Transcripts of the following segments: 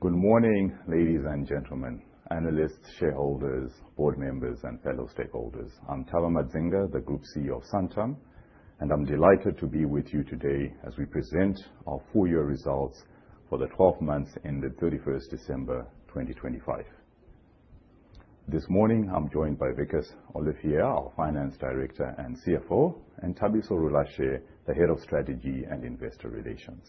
Good morning, ladies and gentlemen, analysts, shareholders, board members, and fellow stakeholders. I'm Tava Madzinga, the Group CEO of Santam. I'm delighted to be with you today as we present our full year results for the 12 months ended 31st December, 2025. This morning, I'm joined by Wikus Olivier, our Finance Director and CFO, and Thabiso Rulashe, the Head of Strategy and Investor Relations.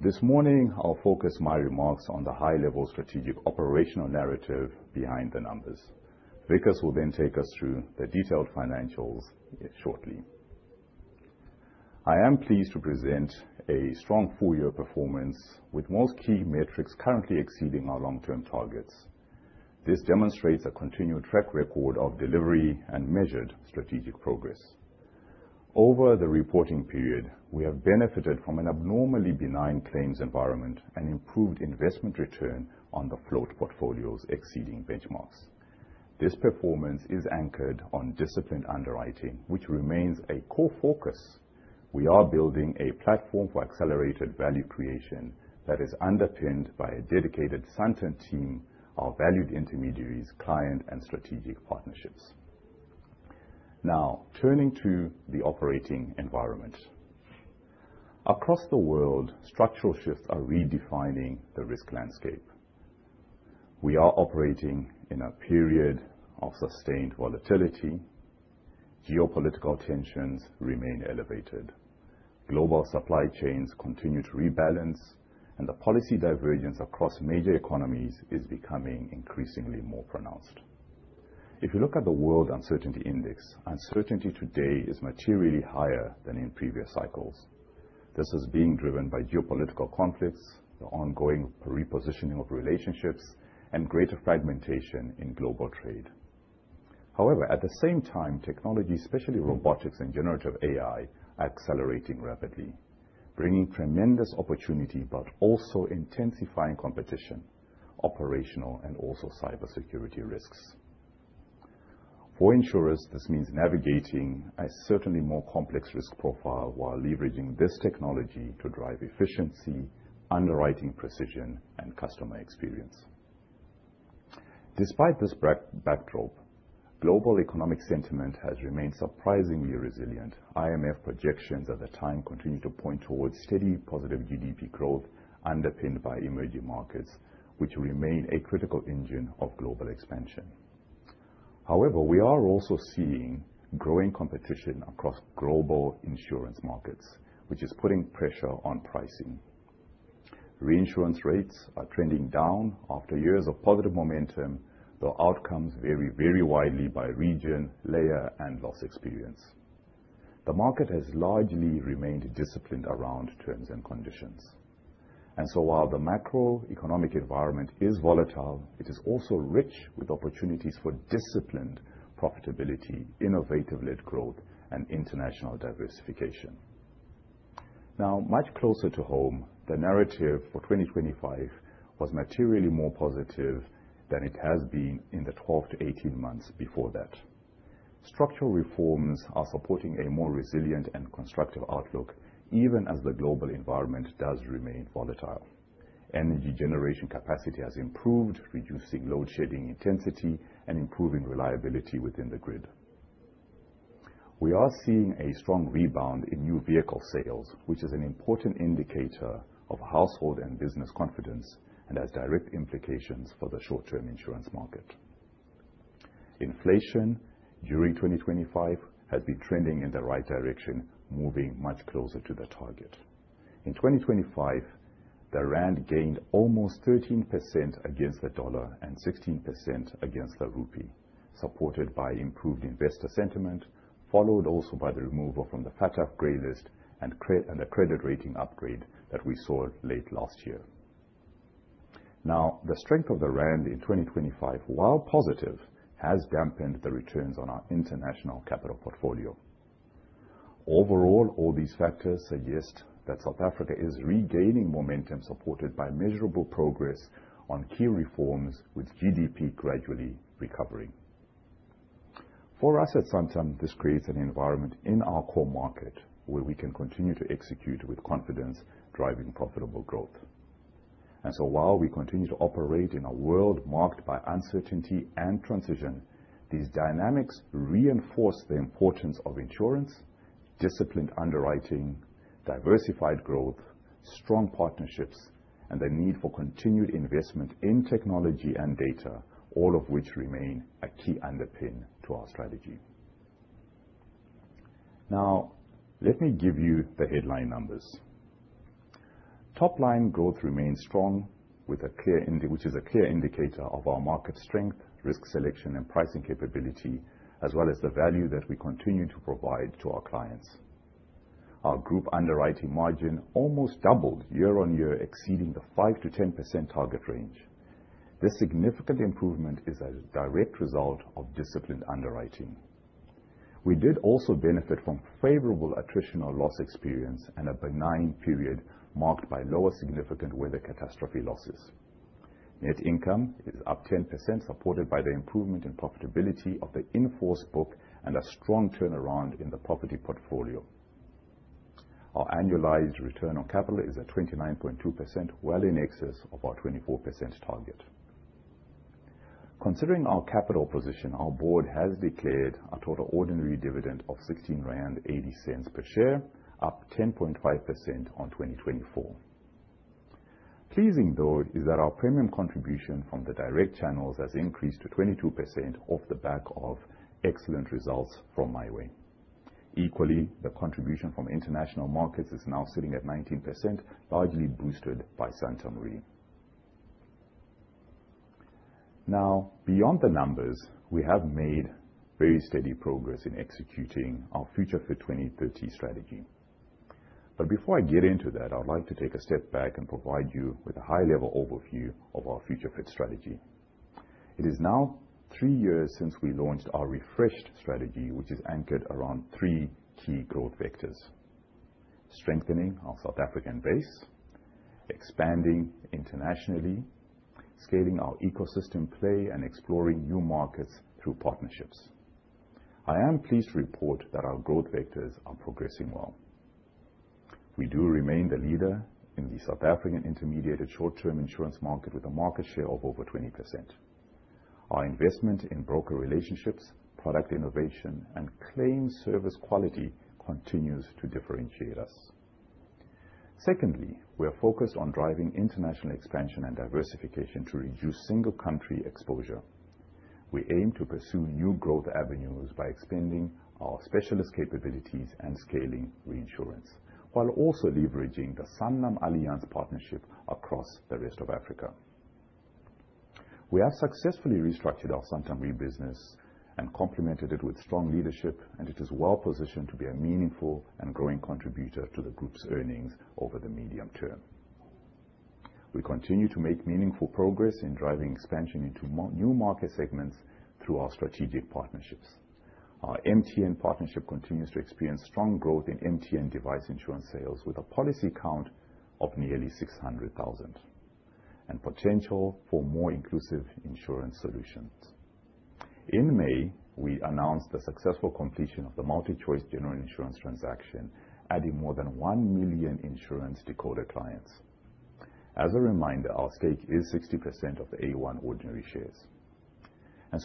This morning, I'll focus my remarks on the high-level strategic operational narrative behind the numbers. Wikus will take us through the detailed financials shortly. I am pleased to present a strong full year performance with most key metrics currently exceeding our long-term targets. This demonstrates a continued track record of delivery and measured strategic progress. Over the reporting period, we have benefited from an abnormally benign claims environment and improved investment return on the float portfolios exceeding benchmarks. This performance is anchored on disciplined underwriting, which remains a core focus. We are building a platform for accelerated value creation that is underpinned by a dedicated Santam team, our valued intermediaries, client, and strategic partnerships. Turning to the operating environment. Across the world, structural shifts are redefining the risk landscape. We are operating in a period of sustained volatility. Geopolitical tensions remain elevated. Global supply chains continue to rebalance, the policy divergence across major economies is becoming increasingly more pronounced. If you look at the World Uncertainty Index, uncertainty today is materially higher than in previous cycles. This is being driven by geopolitical conflicts, the ongoing repositioning of relationships, and greater fragmentation in global trade. At the same time, technology, especially robotics and generative AI, are accelerating rapidly, bringing tremendous opportunity but also intensifying competition, operational, and also cybersecurity risks. For insurers, this means navigating a certainly more complex risk profile while leveraging this technology to drive efficiency, underwriting precision, and customer experience. Despite this backdrop, global economic sentiment has remained surprisingly resilient. IMF projections at the time continue to point towards steady, positive GDP growth underpinned by emerging markets, which remain a critical engine of global expansion. We are also seeing growing competition across global insurance markets, which is putting pressure on pricing. Reinsurance rates are trending down after years of positive momentum, though outcomes vary very widely by region, layer, and loss experience. The market has largely remained disciplined around terms and conditions. While the macroeconomic environment is volatile, it is also rich with opportunities for disciplined profitability, innovative-led growth, and international diversification. Much closer to home, the narrative for 2025 was materially more positive than it has been in the 12-18 months before that. Structural reforms are supporting a more resilient and constructive outlook, even as the global environment does remain volatile. Energy generation capacity has improved, reducing load shedding intensity and improving reliability within the grid. We are seeing a strong rebound in new vehicle sales, which is an important indicator of household and business confidence and has direct implications for the short-term insurance market. Inflation during 2025 has been trending in the right direction, moving much closer to the target. In 2025, the rand gained almost 13% against the dollar and 16% against the rupee, supported by improved investor sentiment, followed also by the removal from the FATF gray list and the credit rating upgrade that we saw late last year. The strength of the rand in 2025, while positive, has dampened the returns on our international capital portfolio. All these factors suggest that South Africa is regaining momentum supported by measurable progress on key reforms with GDP gradually recovering. For us at Santam, this creates an environment in our core market where we can continue to execute with confidence, driving profitable growth. While we continue to operate in a world marked by uncertainty and transition, these dynamics reinforce the importance of insurance, disciplined underwriting, diversified growth, strong partnerships, and the need for continued investment in technology and data, all of which remain a key underpin to our strategy. Now, let me give you the headline numbers. Top line growth remains strong with a clear indicator of our market strength, risk selection, and pricing capability, as well as the value that we continue to provide to our clients. Our group underwriting margin almost doubled year-on-year, exceeding the 5%-10% target range. This significant improvement is a direct result of disciplined underwriting. We did also benefit from favorable attritional loss experience and a benign period marked by lower significant weather catastrophe losses. Net income is up 10%, supported by the improvement in profitability of the in-force book and a strong turnaround in the property portfolio. Our annualized return on capital is at 29.2%, well in excess of our 24% target. Considering our capital position, our board has declared a total ordinary dividend of 16.80 rand per share, up 10.5% on 2024. Pleasing though is that our premium contribution from the direct channels has increased to 22% off the back of excellent results from MiWay. Equally, the contribution from international markets is now sitting at 19%, largely boosted by Santam Re. Beyond the numbers, we have made very steady progress in executing our FutureFit 2030 strategy. Before I get into that, I would like to take a step back and provide you with a high-level overview of our FutureFit strategy. It is now three years since we launched our refreshed strategy, which is anchored around three key growth vectors. Strengthening our South African base. Expanding internationally. Scaling our ecosystem play and exploring new markets through partnerships. I am pleased to report that our growth vectors are progressing well. We do remain the leader in the South African intermediate and short-term insurance market with a market share of over 20%. Our investment in broker relationships, product innovation, and claim service quality continues to differentiate us. Secondly, we are focused on driving international expansion and diversification to reduce single country exposure. We aim to pursue new growth avenues by expanding our specialist capabilities and scaling reinsurance, while also leveraging the Sanlam Alliance partnership across the rest of Africa. We have successfully restructured our Santam Re business and complemented it with strong leadership. It is well positioned to be a meaningful and growing contributor to the group's earnings over the medium term. We continue to make meaningful progress in driving expansion into new market segments through our strategic partnerships. Our MTN partnership continues to experience strong growth in MTN device insurance sales with a policy count of nearly 600,000. Potential for more inclusive insurance solutions. In May, we announced the successful completion of the MultiChoice general insurance transaction, adding more than 1 million insurance decoder clients. As a reminder, our stake is 60% of the A1 ordinary shares.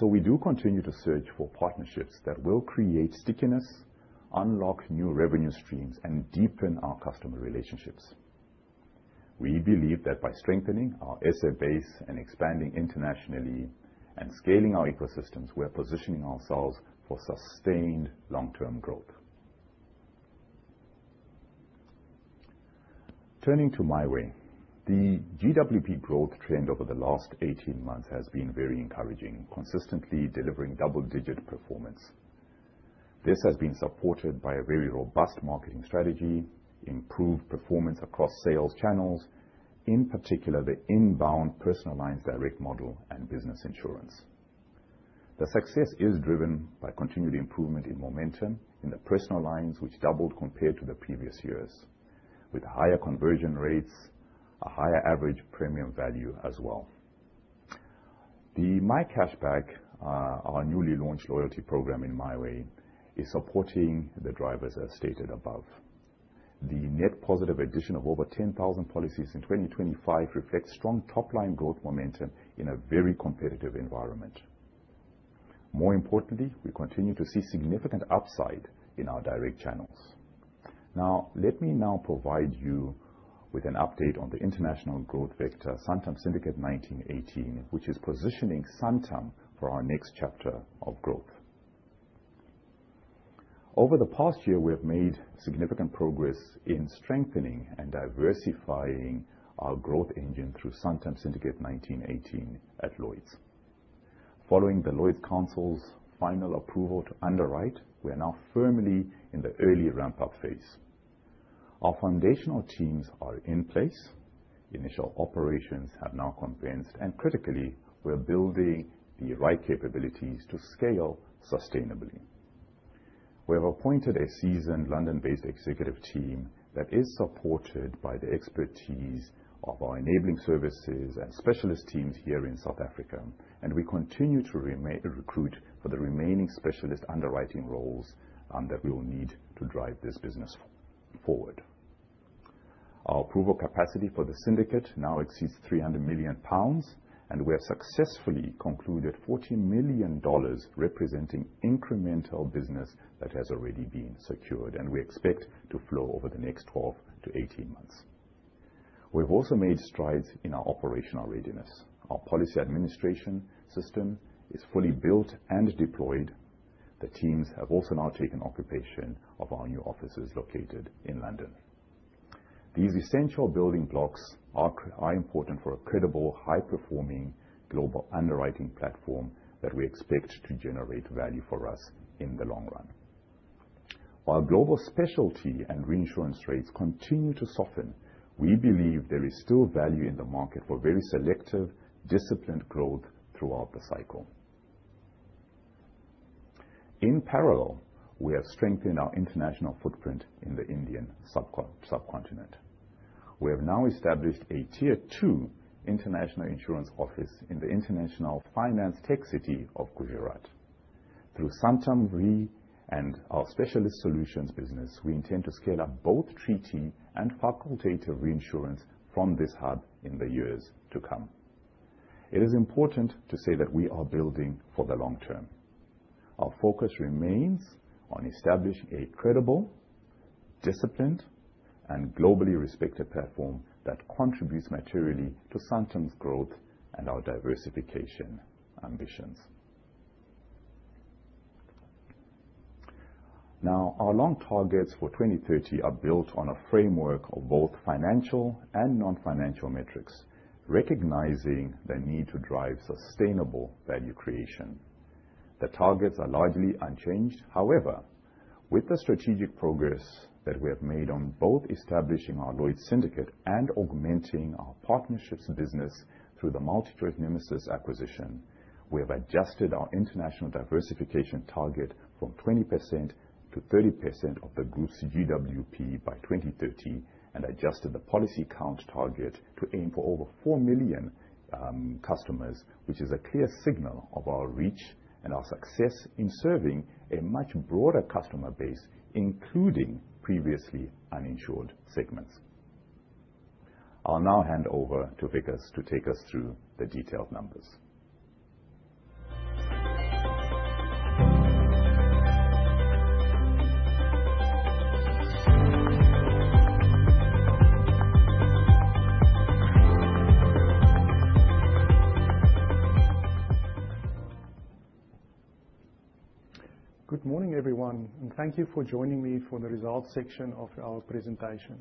We do continue to search for partnerships that will create stickiness, unlock new revenue streams, and deepen our customer relationships. We believe that by strengthening our SA base and expanding internationally and scaling our ecosystems, we are positioning ourselves for sustained long-term growth. Turning to MiWay, the GWP growth trend over the last 18 months has been very encouraging, consistently delivering double-digit performance. This has been supported by a very robust marketing strategy, improved performance across sales channels, in particular the inbound personal lines direct model and business insurance. The success is driven by continued improvement in momentum in the personal lines, which doubled compared to the previous years, with higher conversion rates, a higher average premium value as well. The MiCashback, our newly launched loyalty program in MiWay, is supporting the drivers as stated above. The net positive addition of over 10,000 policies in 2025 reflects strong top-line growth momentum in a very competitive environment. More importantly, we continue to see significant upside in our direct channels. Let me now provide you with an update on the international growth vector, Santam Syndicate 1918, which is positioning Santam for our next chapter of growth. Over the past year, we have made significant progress in strengthening and diversifying our growth engine through Santam Syndicate 1918 at Lloyd's. Following the Lloyd's Council's final approval to underwrite, we are now firmly in the early ramp-up phase. Our foundational teams are in place. Initial operations have now commenced, critically, we're building the right capabilities to scale sustainably. We have appointed a seasoned London-based executive team that is supported by the expertise of our enabling services and specialist teams here in South Africa. We continue to recruit for the remaining specialist underwriting roles that we will need to drive this business forward. Our approval capacity for the syndicate now exceeds 300 million pounds. We have successfully concluded $40 million, representing incremental business that has already been secured and we expect to flow over the next 12-18 months. We've also made strides in our operational readiness. Our policy administration system is fully built and deployed. The teams have also now taken occupation of our new offices located in London. These essential building blocks are important for a credible, high-performing global underwriting platform that we expect to generate value for us in the long run. While global specialty and reinsurance rates continue to soften, we believe there is still value in the market for very selective, disciplined growth throughout the cycle. In parallel, we have strengthened our international footprint in the Indian subcontinent. We have now established a Category 2 IFSC Insurance Office in the Gujarat International Finance Tec-City. Through Santam Re and our Specialist Solutions business, we intend to scale up both treaty and facultative reinsurance from this hub in the years to come. It is important to say that we are building for the long term. Our focus remains on establishing a credible, disciplined, and globally respected platform that contributes materially to Santam's growth and our diversification ambitions. Our long targets for 2030 are built on a framework of both financial and non-financial metrics, recognizing the need to drive sustainable value creation. The targets are largely unchanged. However, with the strategic progress that we have made on both establishing our Lloyd's syndicate and augmenting our partnerships business through the MultiChoice NMSIS acquisition, we have adjusted our international diversification target from 20%-30% of the group's GWP by 2030 and adjusted the policy count target to aim for over 4 million customers, which is a clear signal of our reach and our success in serving a much broader customer base, including previously uninsured segments. I'll now hand over to Wikus to take us through the detailed numbers. Good morning, everyone, thank you for joining me for the results section of our presentation.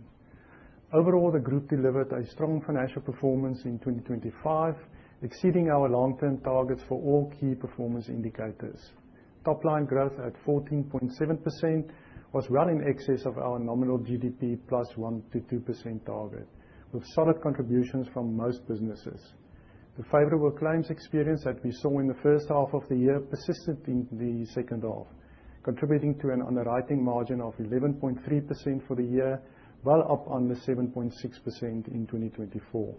Overall, the group delivered a strong financial performance in 2025, exceeding our long-term targets for all key performance indicators. Top line growth at 14.7% was well in excess of our nominal GDP plus 1%-2% target, with solid contributions from most businesses. The favorable claims experience that we saw in the first half of the year persisted in the second half, contributing to an underwriting margin of 11.3% for the year, well up on the 7.6% in 2024.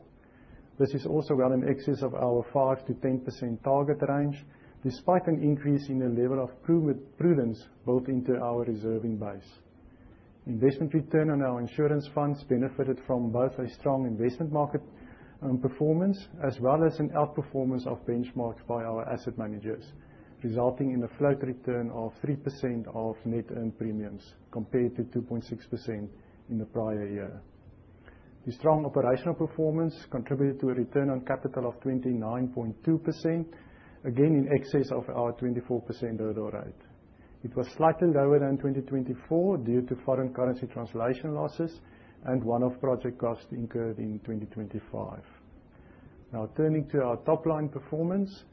This is also well in excess of our 5%-10% target range, despite an increase in the level of prudence built into our reserving base. Investment return on our insurance funds benefited from both a strong investment market performance as well as an outperformance of benchmarks by our asset managers, resulting in a float return of 3% of net earned premiums compared to 2.6% in the prior year. The strong operational performance contributed to a return on capital of 29.2%, again in excess of our 24% hurdle rate. It was slightly lower than 2024 due to foreign currency translation losses and one-off project costs incurred in 2025. Turning to our top line performance.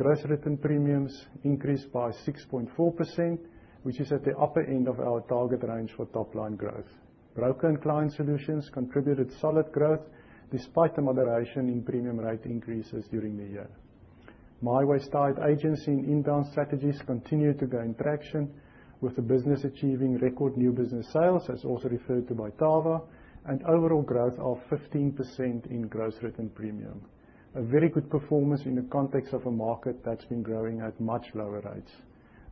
gross written premiums increased by 6.4%, which is at the upper end of our target range for top line growth. Broker and Client Solutions contributed solid growth despite the moderation in premium rate increases during the year. MiWay's tied agency and inbound strategies continued to gain traction with the business achieving record new business sales, as also referred to by Tava, and overall growth of 15% in gross written premium. A very good performance in the context of a market that's been growing at much lower rates.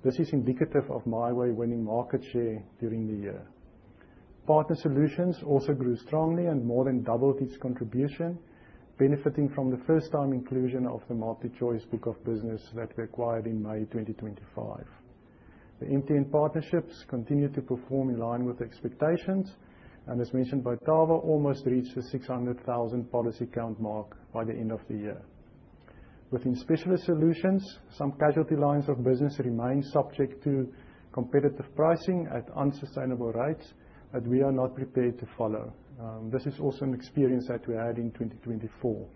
This is indicative of MiWay winning market share during the year. Partner Solutions also grew strongly and more than doubled its contribution, benefiting from the first time inclusion of the MultiChoice book of business that we acquired in May 2025. The MTN partnerships continued to perform in line with expectations, and as mentioned by Tava, almost reached the 600,000 policy count mark by the end of the year. Within Specialist Solutions, some casualty lines of business remain subject to competitive pricing at unsustainable rates that we are not prepared to follow. This is also an experience that we had in 2024.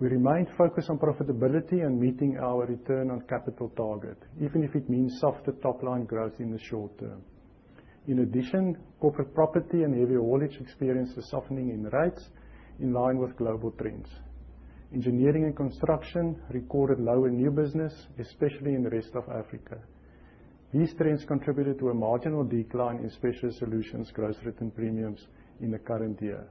We remain focused on profitability and meeting our return on capital target, even if it means softer top line growth in the short term. In addition, corporate property and heavy haulage experienced a softening in rates in line with global trends. Engineering and construction recorded lower new business, especially in the rest of Africa. These trends contributed to a marginal decline in Specialist Solutions gross written premiums in the current year.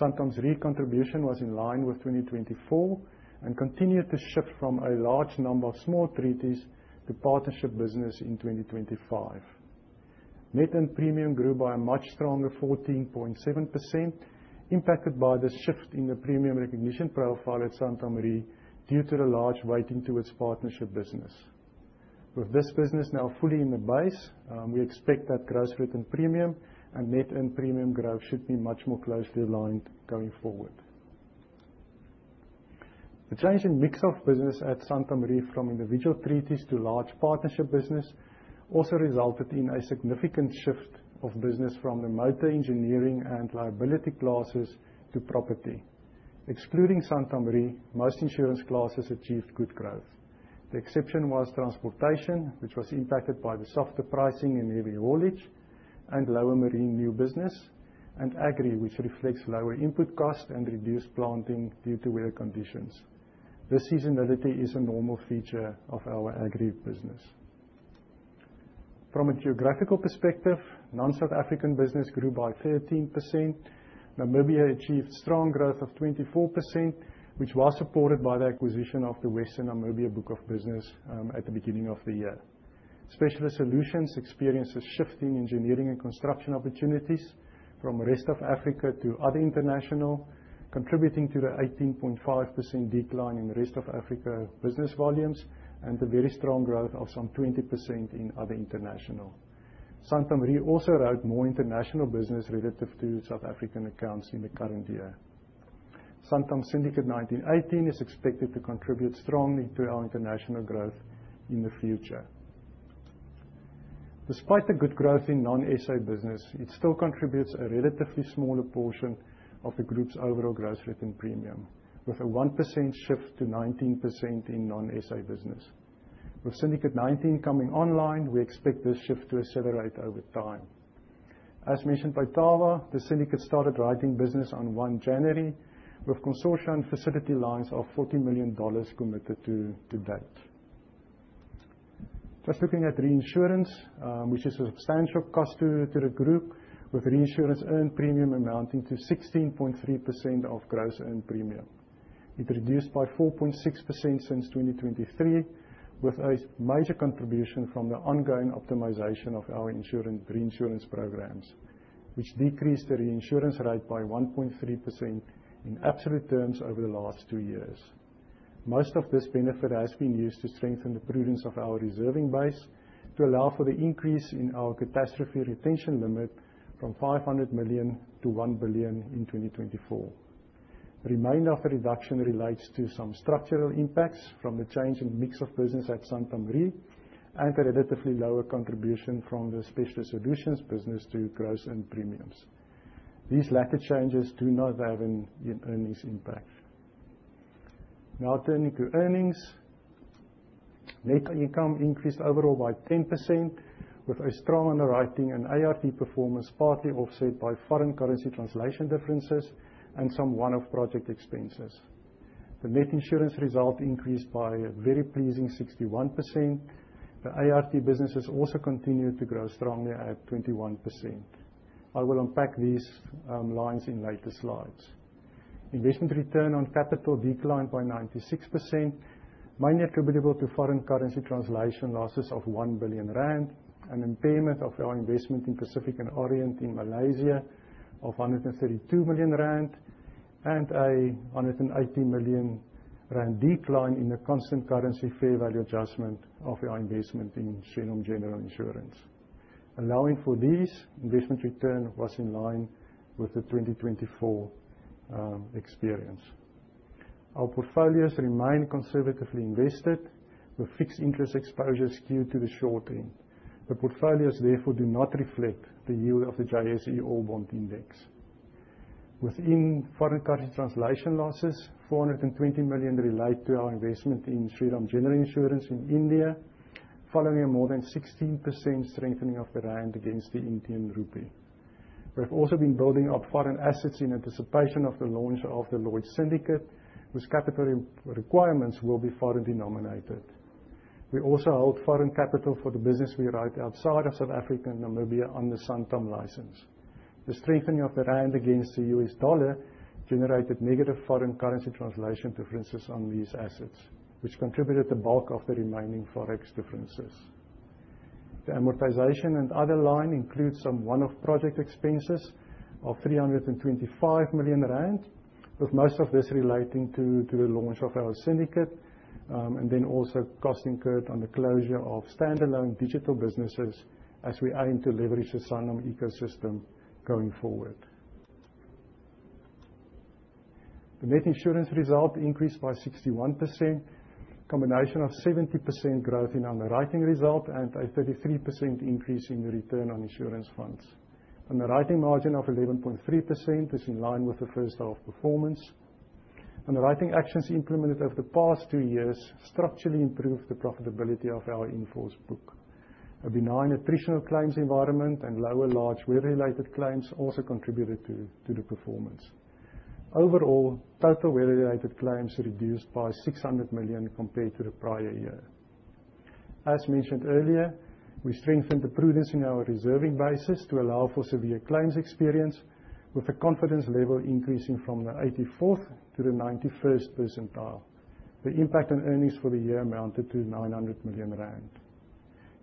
Santam Re contribution was in line with 2024 and continued to shift from a large number of small treaties to partnership business in 2025. Net earned premium grew by a much stronger 14.7%, impacted by the shift in the premium recognition profile at Santam Re due to the large weighting to its partnership business. With this business now fully in the base, we expect that gross written premium and net earned premium growth should be much more closely aligned going forward. The change in mix of business at Santam Re from individual treaties to large partnership business also resulted in a significant shift of business from the motor engineering and liability classes to property. Excluding Santam Re, most insurance classes achieved good growth. The exception was transportation, which was impacted by the softer pricing in heavy haulage. Lower marine new business and Agri, which reflects lower input costs and reduced planting due to weather conditions. This seasonality is a normal feature of our Agri business. From a geographical perspective, non-South African business grew by 13%. Namibia achieved strong growth of 24%, which was supported by the acquisition of the Western Namibia book of business at the beginning of the year. Specialist Solutions experienced a shift in engineering and construction opportunities from rest of Africa to other international, contributing to the 18.5% decline in the rest of Africa business volumes and the very strong growth of some 20% in other international. Santam Re also wrote more international business relative to South African accounts in the current year. Santam Syndicate 1918 is expected to contribute strongly to our international growth in the future. Despite the good growth in non-SA business, it still contributes a relatively smaller portion of the group's overall gross written premium, with a 1% shift to 19% in non-SA business. With Syndicate 19 coming online, we expect this shift to accelerate over time. As mentioned by Tava, the Syndicate started writing business on January 1, with consortium facility lines of $40 million committed to date. Just looking at reinsurance, which is a substantial cost to the group, with reinsurance earned premium amounting to 16.3% of gross earned premium. It reduced by 4.6% since 2023, with a major contribution from the ongoing optimization of our insurance reinsurance programs, which decreased the reinsurance rate by 1.3% in absolute terms over the last two years. Most of this benefit has been used to strengthen the prudence of our reserving base to allow for the increase in our catastrophe retention limit from 500 million-1 billion in 2024. The remainder of the reduction relates to some structural impacts from the change in mix of business at Santam Re and a relatively lower contribution from the Specialist Solutions business to gross earned premiums. These latter changes do not have an earnings impact. Now turning to earnings. Net income increased overall by 10%, with a strong underwriting and ART performance partly offset by foreign currency translation differences and some one-off project expenses. The net insurance result increased by a very pleasing 61%. The ART businesses also continued to grow strongly at 21%. I will unpack these lines in later slides. Investment return on capital declined by 96%, mainly attributable to foreign currency translation losses of 1 billion rand, an impairment of our investment in Pacific & Orient in Malaysia of 132 million rand, and a 180 million rand decline in the constant currency fair value adjustment of our investment in Shriram General Insurance. Allowing for these, investment return was in line with the 2024 experience. Our portfolios remain conservatively invested, with fixed interest exposure skewed to the short end. The portfolios, therefore, do not reflect the yield of the FTSE/JSE All Bond Index. Within foreign currency translation losses, 420 million relate to our investment in Shriram General Insurance in India, following a more than 16% strengthening of the rand against the Indian rupee. We've also been building up foreign assets in anticipation of the launch of the Lloyd's Syndicate, whose capital requirements will be foreign denominated. We also hold foreign capital for the business we write outside of South Africa and Namibia under Santam license. The strengthening of the rand against the U.S. dollar generated negative foreign currency translation differences on these assets, which contributed the bulk of the remaining Forex differences. The amortization and other line includes some one-off project expenses of 325 million rand, with most of this relating to the launch of our syndicate, also costs incurred on the closure of standalone digital businesses as we aim to leverage the Sanlam ecosystem going forward. The net insurance result increased by 61%, combination of 70% growth in underwriting result and a 33% increase in return on insurance funds. Underwriting margin of 11.3% is in line with the first half performance. Underwriting actions implemented over the past two years structurally improved the profitability of our in-force book. A benign attritional claims environment and lower large weather-related claims also contributed to the performance. Overall, total weather-related claims reduced by 600 million compared to the prior year. As mentioned earlier, we strengthened the prudence in our reserving basis to allow for severe claims experience, with the confidence level increasing from the 84th to the 91st percentile. The impact on earnings for the year amounted to 900 million rand.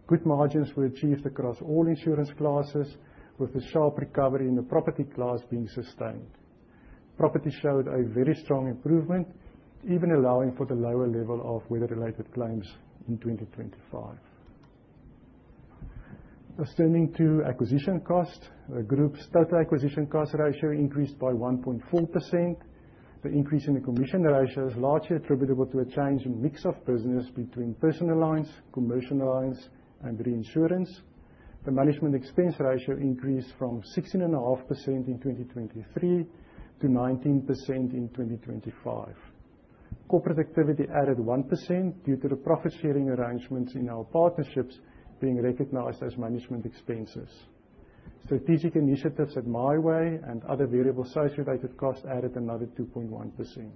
Good margins were achieved across all insurance classes, with the sharp recovery in the property class being sustained. Property showed a very strong improvement, even allowing for the lower level of weather-related claims in 2025. Turning to acquisition cost, the group's total acquisition cost ratio increased by 1.4%. The increase in the commission ratio is largely attributable to a change in mix of business between personal lines, commercial lines, and reinsurance. The management expense ratio increased from 16.5% in 2023 to 19% in 2025. Corporate activity added 1% due to the profit sharing arrangements in our partnerships being recognized as management expenses. Strategic initiatives at MiWay and other variable sales-related costs added another 2.1%.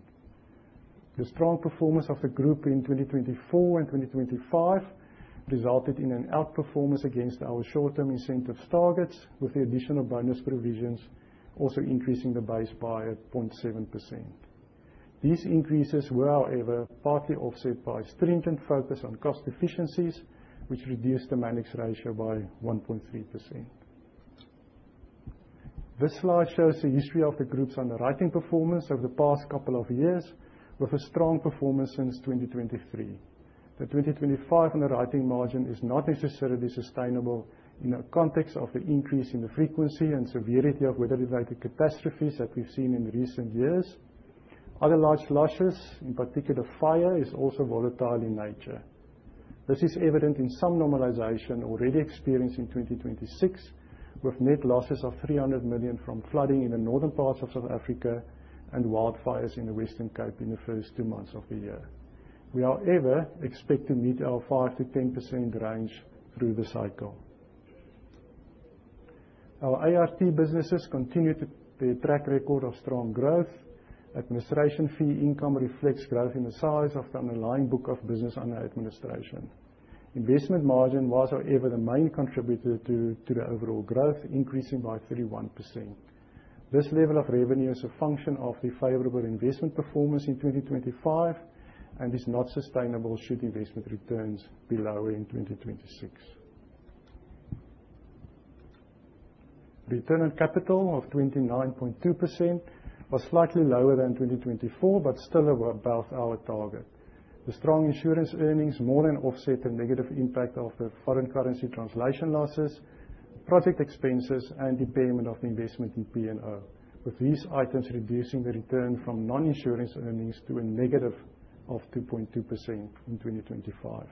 The strong performance of the group in 2024 and 2025 resulted in an outperformance against our short-term incentive targets, with the additional bonus provisions also increasing the base by 0.7%. These increases were, however, partly offset by stringent focus on cost efficiencies, which reduced the management expense ratio by 1.3%. This slide shows the history of the group's underwriting performance over the past couple of years, with a strong performance since 2023. The 2025 underwriting margin is not necessarily sustainable in the context of the increase in the frequency and severity of weather-related catastrophes that we've seen in recent years. Other large losses, in particular fire, is also volatile in nature. This is evident in some normalization already experienced in 2026, with net losses of 300 million from flooding in the northern parts of South Africa and wildfires in the Western Cape in the first two months of the year. We, however, expect to meet our 5%-10% range through the cycle. Our ART businesses continue to be a track record of strong growth. Administration fee income reflects growth in the size of the underlying book of business under administration. Investment margin was, however, the main contributor to the overall growth, increasing by 31%. This level of revenue is a function of the favorable investment performance in 2025 and is not sustainable should investment returns be lower in 2026. Return on capital of 29.2% was slightly lower than 2024, but still above our target. The strong insurance earnings more than offset the negative impact of the foreign currency translation losses, project expenses, and impairment of investment in P&O, with these items reducing the return from non-insurance earnings to a negative of 2.2% in 2025.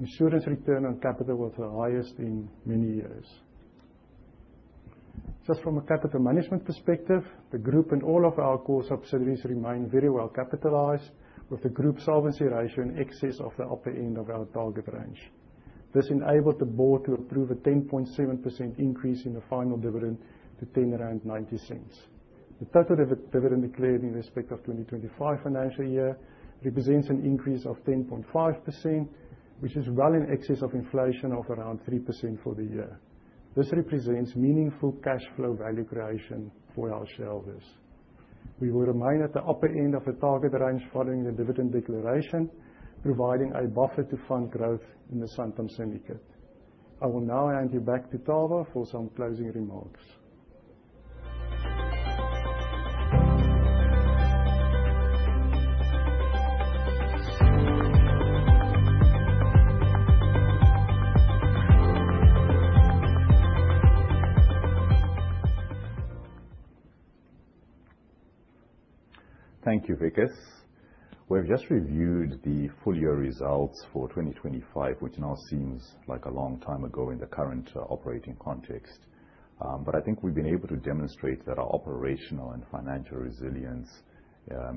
Insurance return on capital was the highest in many years. Just from a capital management perspective, the group and all of our core subsidiaries remain very well capitalized, with the group solvency ratio in excess of the upper end of our target range. This enabled the board to approve a 10.7% increase in the final dividend to 10.90 rand. The total dividend declared in respect of 2025 financial year represents an increase of 10.5%, which is well in excess of inflation of around 3% for the year. This represents meaningful cash flow value creation for our shareholders. We will remain at the upper end of the target range following the dividend declaration, providing a buffer to fund growth in the Santam Syndicate. I will now hand you back to Tava for some closing remarks. Thank you, Wikus. We've just reviewed the full year results for 2025, which now seems like a long time ago in the current operating context. I think we've been able to demonstrate that our operational and financial resilience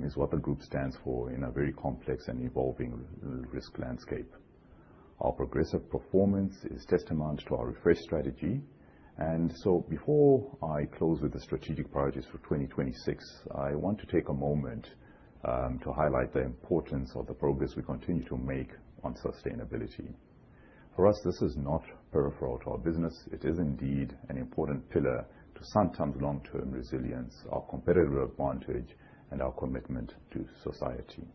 is what the group stands for in a very complex and evolving risk landscape. Our progressive performance is testament to our Refresh strategy. Before I close with the strategic priorities for 2026, I want to take a moment to highlight the importance of the progress we continue to make on sustainability. For us, this is not peripheral to our business. It is indeed an important pillar to Santam's long-term resilience, our competitive advantage, and our commitment to society.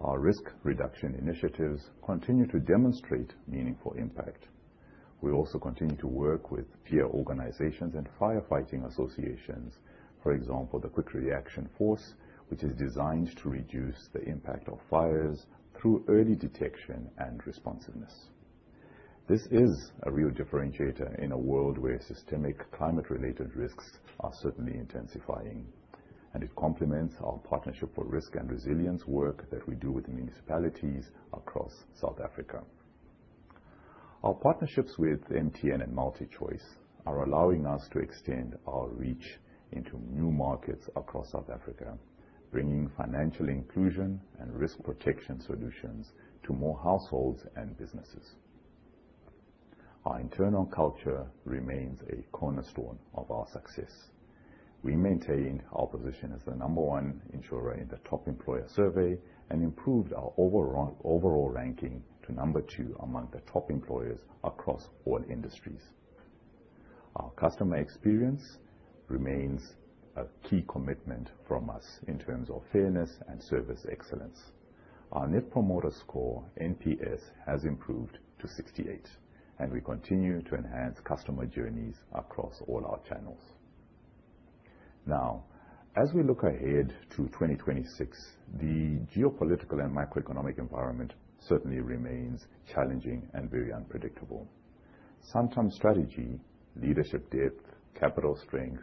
Our risk reduction initiatives continue to demonstrate meaningful impact. We also continue to work with peer organizations and firefighting associations, for example, the Quick Reaction Force, which is designed to reduce the impact of fires through early detection and responsiveness. This is a real differentiator in a world where systemic climate-related risks are certainly intensifying, and it complements our partnership for risk and resilience work that we do with the municipalities across South Africa. Our partnerships with MTN and MultiChoice are allowing us to extend our reach into new markets across South Africa, bringing financial inclusion and risk protection solutions to more households and businesses. Our internal culture remains a cornerstone of our success. We maintained our position as the number one insurer in the top employer survey and improved our overall ranking to number two among the top employers across all industries. Our customer experience remains a key commitment from us in terms of fairness and service excellence. Our net promoter score, NPS, has improved to 68, we continue to enhance customer journeys across all our channels. As we look ahead to 2026, the geopolitical and macroeconomic environment certainly remains challenging and very unpredictable. Santam's strategy, leadership depth, capital strength,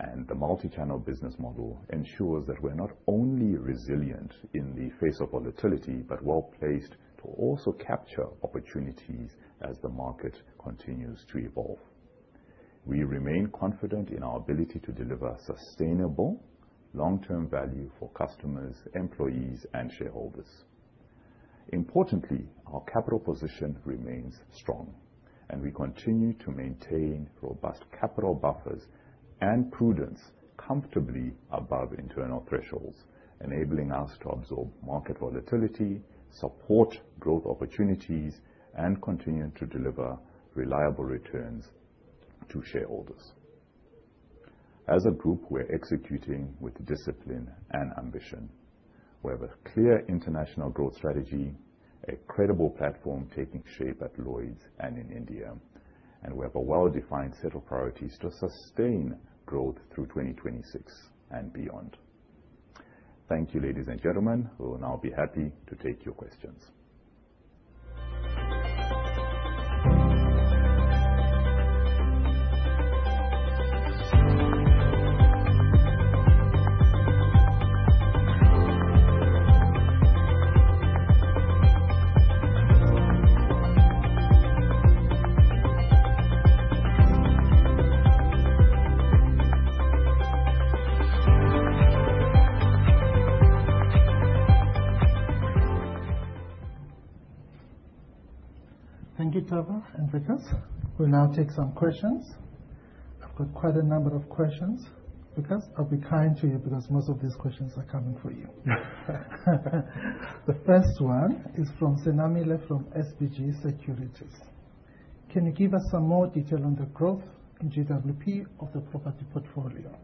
and the multi-channel business model ensures that we're not only resilient in the face of volatility, but well-placed to also capture opportunities as the market continues to evolve. We remain confident in our ability to deliver sustainable long-term value for customers, employees, and shareholders. Importantly, our capital position remains strong, and we continue to maintain robust capital buffers and prudence comfortably above internal thresholds, enabling us to absorb market volatility, support growth opportunities, and continue to deliver reliable returns to shareholders. As a group, we're executing with discipline and ambition. We have a clear international growth strategy, a credible platform taking shape at Lloyd's and in India, and we have a well-defined set of priorities to sustain growth through 2026 and beyond. Thank you, ladies and gentlemen. We will now be happy to take your questions. Thank you, Tava and Wikus. We'll now take some questions. I've got quite a number of questions. Wikus, I'll be kind to you because most of these questions are coming for you. The first one is from Senamile, from SBG Securities. Can you give us some more detail on the growth in GWP of the property portfolio?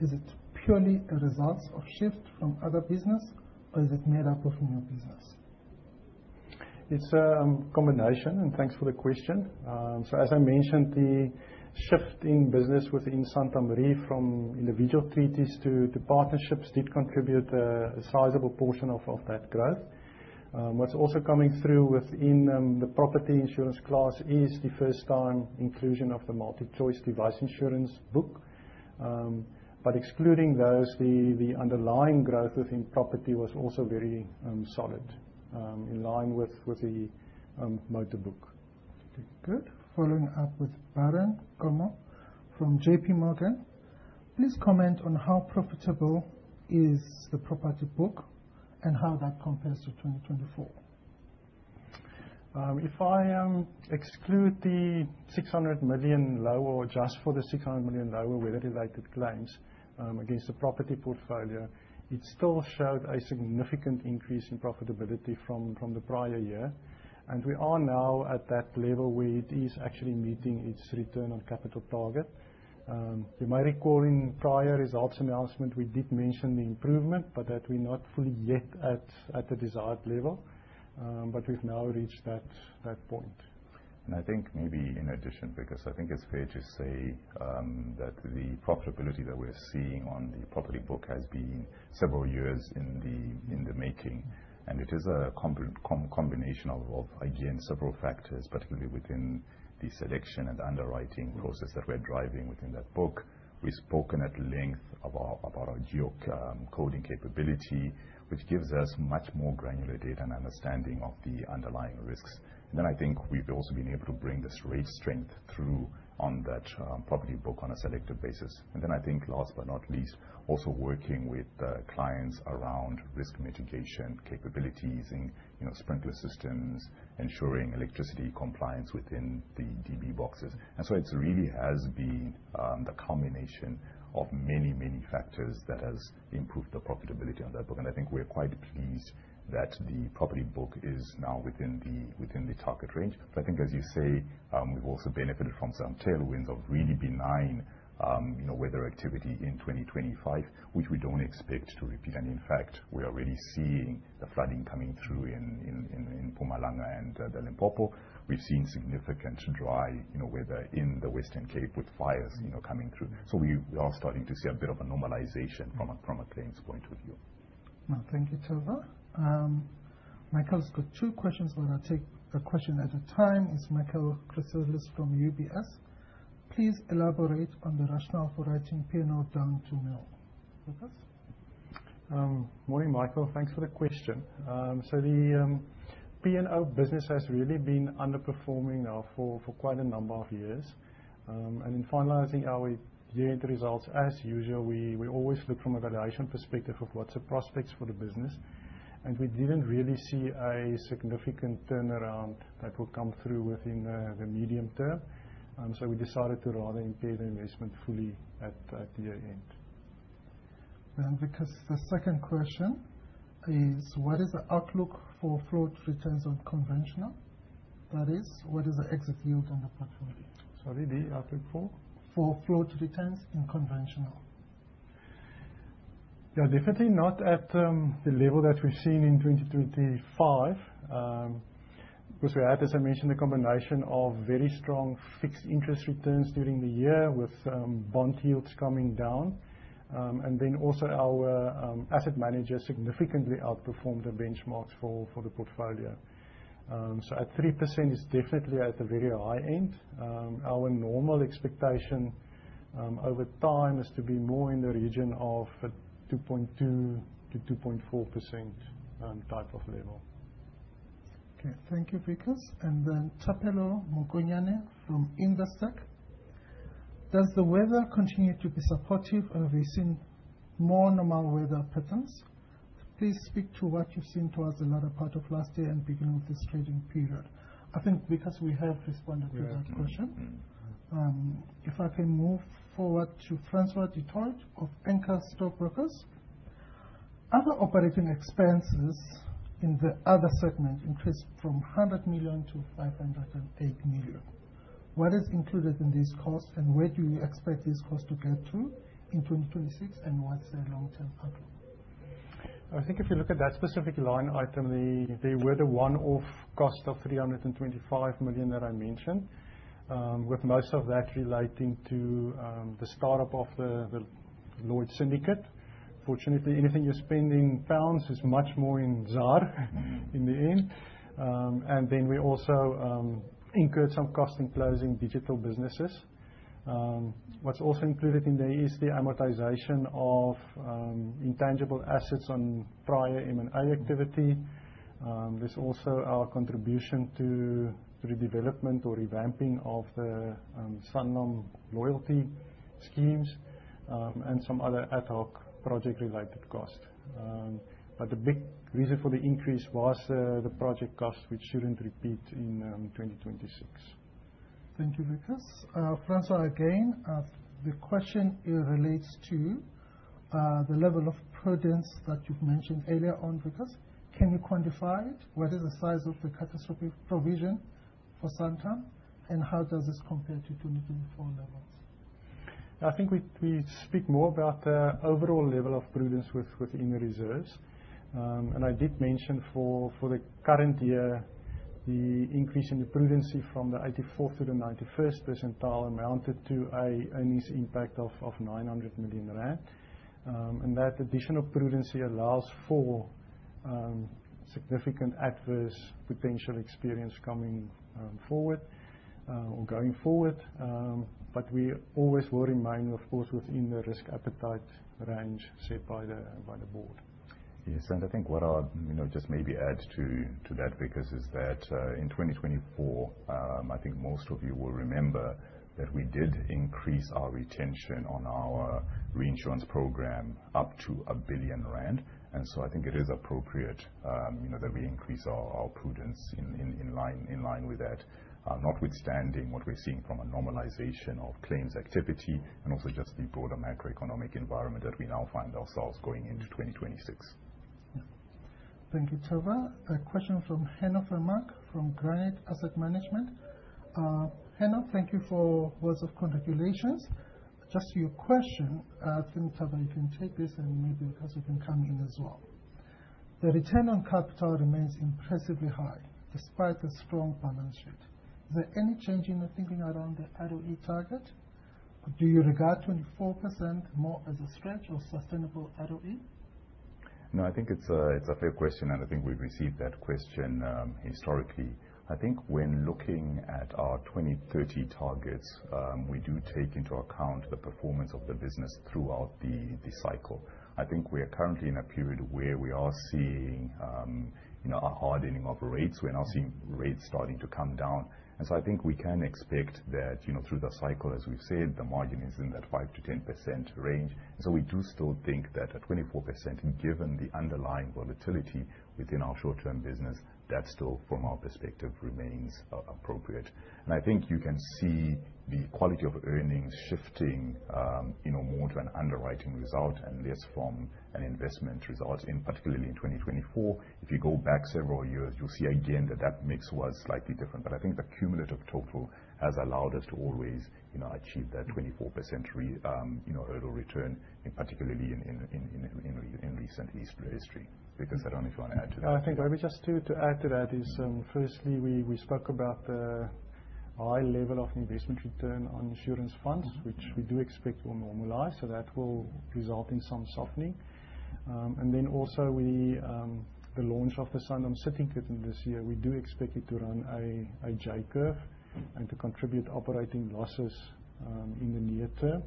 Is it purely a result of shift from other business, or is it made up of new business? It's a combination. Thanks for the question. As I mentioned, the shift in business within Santam Re from individual treaties to partnerships did contribute a sizable portion of that growth. What's also coming through within the property insurance class is the first time inclusion of the MultiChoice device insurance book. Excluding those, the underlying growth within property was also very solid in line with the motor book. Okay, good. Following up with [Varun Kumar] from JPMorgan. Please comment on how profitable is the property book and how that compares to 2024? If I exclude the 600 million lower, or adjust for the 600 million lower weather-related claims against the property portfolio, it still showed a significant increase in profitability from the prior year. We are now at that level where it is actually meeting its return on capital target. You might recall in prior results announcement, we did mention the improvement, but that we're not fully yet at the desired level. We've now reached that point. I think maybe in addition, Wikus, I think it's fair to say that the profitability that we're seeing on the property book has been several years in the making. It is a combination of again, several factors, particularly within the selection and underwriting process that we're driving within that book. We've spoken at length about our geocoding capability, which gives us much more granular data and understanding of the underlying risks. I think we've also been able to bring this rate strength through on that property book on a selective basis. I think last but not least, also working with clients around risk mitigation capabilities in, you know, sprinkler systems, ensuring electricity compliance within the DB boards. It really has been the combination of many, many factors that has improved the profitability on that book. I think we're quite pleased that the property book is now within the target range. I think, as you say, we've also benefited from some tailwinds of really benign, you know, weather activity in 2025, which we don't expect to repeat. In fact, we are already seeing the flooding coming through in Mpumalanga and the Limpopo. We've seen significant dry, you know, weather in the Western Cape with fires, you know, coming through. We are starting to see a bit of a normalization from a claims point of view. Well, thank you, Tava. Michael's got two questions. We're gonna take a question at a time. It's Michael Christelis from UBS. Please elaborate on the rationale for writing P&O down to nil. Wikus? Morning, Michael. Thanks for the question. The P&O business has really been underperforming now for quite a number of years. In finalizing our year-end results, as usual, we always look from a valuation perspective of what's the prospects for the business. We didn't really see a significant turnaround that will come through within the medium term. We decided to rather impair the investment fully at year-end. Wikus, the second question is what is the outlook for float returns on Conventional? That is, what is the exit yield on the portfolio? Sorry, the outlook for? For float returns in Conventional. They are definitely not at the level that we've seen in 2025. Because we had, as I mentioned, a combination of very strong fixed interest returns during the year with bond yields coming down. Then also our asset managers significantly outperformed the benchmarks for the portfolio. At 3% is definitely at the very high end. Our normal expectation over time is to be more in the region of 2.2%-2.4% type of level. Okay, thank you, Wikus. Thapelo Mokonyane from Investec. Does the weather continue to be supportive, are we seeing more normal weather patterns? Please speak to what you've seen towards the latter part of last year and beginning of this trading period. I think because we have responded to that question, if I can move forward to Francois du Toit of Anchor Stockbrokers. Other operating expenses in the other segment increased from 100 million to 508 million. What is included in these costs, and where do you expect these costs to go to in 2026, and what's their long-term outlook? I think if you look at that specific line item, there were the one-off cost of 325 million that I mentioned, with most of that relating to the start-up of the Lloyd's Syndicate. Fortunately, anything you spend in GBP is much more in ZAR in the end. Then we also incurred some costs in closing digital businesses. What's also included in there is the amortization of intangible assets on prior M&A activity. There's also our contribution to the development or revamping of the Sanlam loyalty schemes, and some other ad hoc project-related costs. The big reason for the increase was the project costs, which shouldn't repeat in 2026. Thank you, Wikus. Francois, again, the question, it relates to the level of prudence that you've mentioned earlier on because can you quantify it? What is the size of the catastrophic provision for Santam, and how does this compare to 2024 levels? I think we speak more about the overall level of prudence within the reserves. I did mention for the current year, the increase in the prudency from the 84th to the 91st percentile amounted to a earnings impact of 900 million rand. That additional prudency allows for significant adverse potential experience coming forward or going forward. We always will remain, of course, within the risk appetite range set by the board. Yes. I think what I'll, you know, just maybe add to that, Wikus, is that in 2024, I think most of you will remember that we did increase our retention on our reinsurance program up to 1 billion rand. I think it is appropriate, you know, that we increase our prudence in line with that, notwithstanding what we're seeing from a normalization of claims activity and also just the broader macroeconomic environment that we now find ourselves going into 2026. Thank you, Tava. A question from Henno Vermaak from Granate Asset Management. Henno, thank you for words of congratulations. Just your question, I think, Tava, you can take this, and maybe, Wikus, you can come in as well. The return on capital remains impressively high despite the strong balance sheet. Is there any change in the thinking around the ROE target? Do you regard 24% more as a stretch or sustainable ROE? No, I think it's a, it's a fair question, and I think we've received that question, historically. I think when looking at our 2030 targets, we do take into account the performance of the business throughout the cycle. I think we are currently in a period where we are seeing, you know, a hardening of rates. We're now seeing rates starting to come down. I think we can expect that, you know, through the cycle, as we've said, the margin is in that 5%-10% range. We do still think that at 24%, given the underlying volatility within our short-term business, that still, from our perspective, remains a-appropriate. I think you can see the quality of earnings shifting, you know, more to an underwriting result and less from an investment result in, particularly in 2024. If you go back several years, you'll see again that that mix was slightly different. I think the cumulative total has allowed us to always, you know, achieve that 24% overall return, and particularly in recent history. Wikus, I don't know if you wanna add to that. I think maybe just to add to that is, firstly, we spoke about the high level of investment return on insurance funds, which we do expect will normalize, so that will result in some softening. Also we, the launch of the Santam Syndicate in this year, we do expect it to run a J-curve and to contribute operating losses in the near term.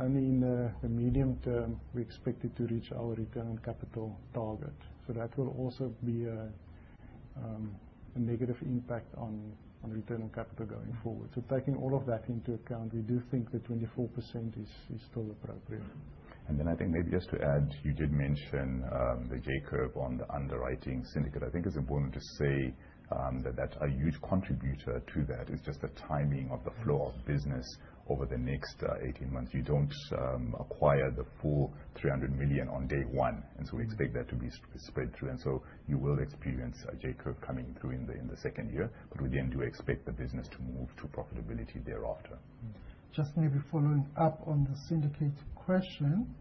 Only in the medium term, we expect it to reach our return on capital target. That will also be a negative impact on return on capital going forward. Taking all of that into account, we do think that 24% is still appropriate. I think maybe just to add, you did mention the J-curve on the underwriting syndicate. I think it's important to say that that's a huge contributor to that, is just the timing of the flow of business over the next 18 months. You don't acquire the full 300 million on day one, we expect that to be spread through. You will experience a J-curve coming through in the second year. We then do expect the business to move to profitability thereafter. Just maybe following up on the syndicate question.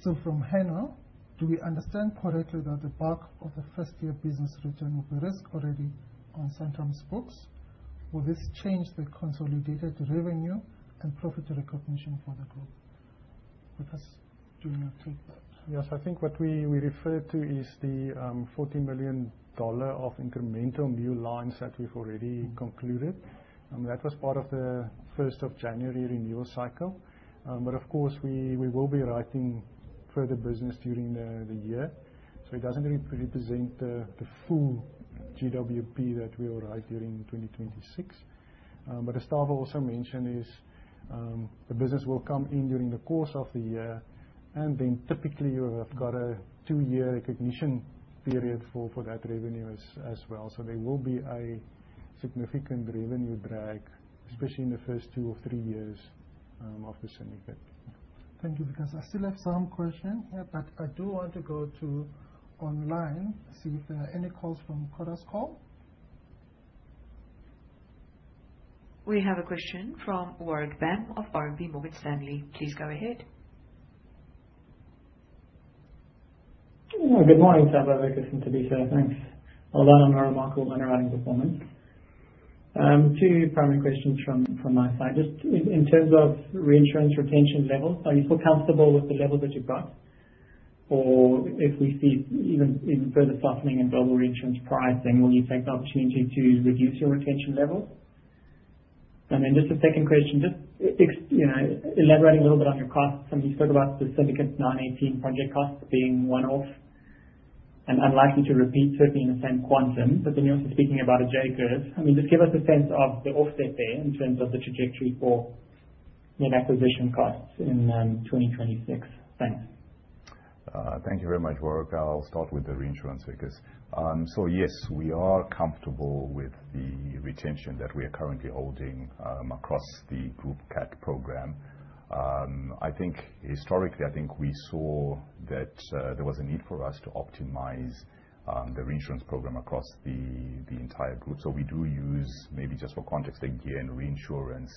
Still from Henno: Do we understand correctly that the bulk of the first-year business return of the risk already on Santam's books, will this change the consolidated revenue and profit recognition for the group? Wikus, do you wanna take that? Yes. I think what we refer to is the $40 million dollar of incremental new lines that we've already concluded. That was part of the first of January renewal cycle. Of course, we will be writing further business during the year. It doesn't represent the full. GWP that we will write during 2026. As Tava also mentioned is, the business will come in during the course of the year, and then typically you have got a two-year recognition period for that revenue as well. There will be a significant revenue drag, especially in the first two or three years of the syndicate. Thank you. I still have some question here, but I do want to go to online, see if there are any calls from We have a question from Warwick Bam of RMB Morgan Stanley. Please go ahead. Good morning, Tava, Wikus, and Thabiso. Thanks. Well done on a remarkable underwriting performance. Two primary questions from my side. Just in terms of reinsurance retention levels, are you still comfortable with the level that you've got? If we see even further softening in global reinsurance pricing, will you take the opportunity to reduce your retention levels? Just a second question, just you know, elaborating a little bit on your costs. I mean, you spoke about the Syndicate 1918 project costs being one-off and unlikely to repeat certainly in the same quantum, you're also speaking about a J-curve. I mean, just give us a sense of the offset there in terms of the trajectory for net acquisition costs in 2026. Thanks. Thank you very much, Warwick. I'll start with the reinsurance, Wikus. Yes, we are comfortable with the retention that we are currently holding across the group cat program. I think historically, I think we saw that there was a need for us to optimize the reinsurance program across the entire group. We do use maybe just for context again, reinsurance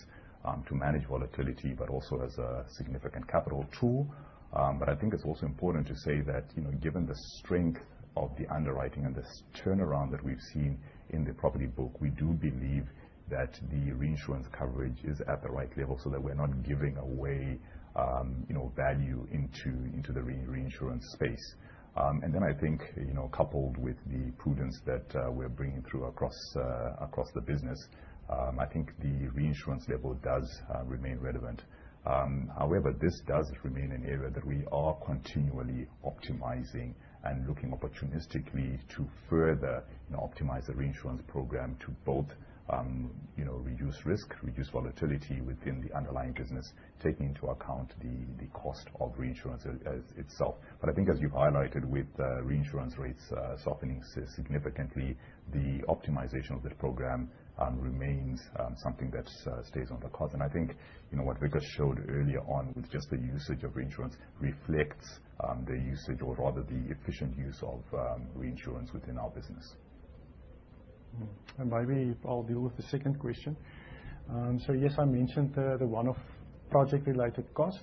to manage volatility, but also as a significant capital tool. I think it's also important to say that, you know, given the strength of the underwriting and the turnaround that we've seen in the property book, we do believe that the reinsurance coverage is at the right level so that we're not giving away, you know, value into the reinsurance space. Then I think, you know, coupled with the prudence that we're bringing through across across the business, I think the reinsurance level does remain relevant. However, this does remain an area that we are continually optimizing and looking opportunistically to further, you know, optimize the reinsurance program to both, you know, reduce risk, reduce volatility within the underlying business, taking into account the cost of reinsurance as itself. I think as you've highlighted with the reinsurance rates, softening significantly, the optimization of that program remains something that stays on the cards. I think, you know, what Wikus showed earlier on with just the usage of reinsurance reflects the usage or rather the efficient use of reinsurance within our business. Maybe I'll deal with the second question. Yes, I mentioned the one-off project related cost.